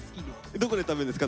どこで食べるんですか？